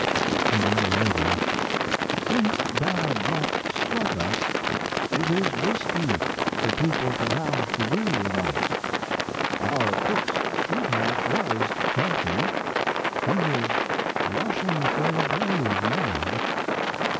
And a little later: Since bad luck struck us it is risky for people to have to do with us. Our cook's sweetheart was healthy. He is rushing for the grave now.